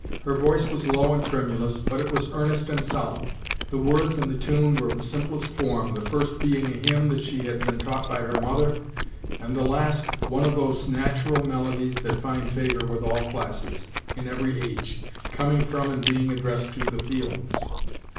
Her voice was low and tremulous, but it was earnest and solemn. The words and the tune were of the simplest form, the first being a hymn that she had been taught by her mother, and the last one of those natural melodies that find favor with all classes, in every age, coming from and being addressed to the feelings.